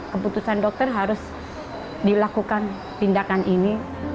keputusan dokter harus dilakukan tindakan ini